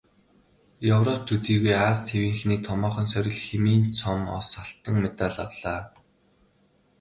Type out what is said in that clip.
Европ төдийгүй Ази тивийнхний томоохон сорил "Химийн цом"-оос алтан медаль авлаа.